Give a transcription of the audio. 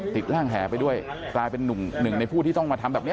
ร่างแห่ไปด้วยกลายเป็นนุ่มหนึ่งในผู้ที่ต้องมาทำแบบนี้